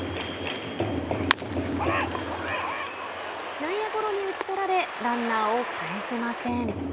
内野ゴロに打ち取られランナーを帰せません。